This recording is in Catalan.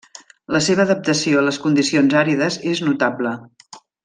La seva adaptació a les condicions àrides és notable.